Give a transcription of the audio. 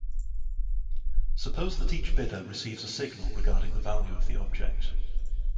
Suppose that each bidder, receives a signal regarding the value of the object.